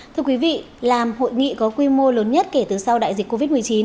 thưa quý vị làm hội nghị có quy mô lớn nhất kể từ sau đại dịch covid một mươi chín